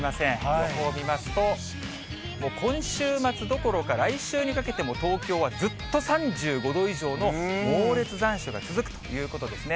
予報を見ますと、今週末どころか、来週にかけても東京はずっと３５度以上の猛烈残暑が続くということですね。